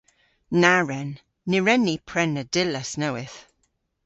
Na wren. Ny wren ni prena dillas nowydh.